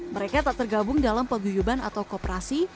mereka tak tergabung dalam peguyuban atau kooperasi